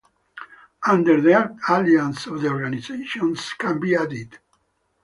Under the act aliases of organizations can be added.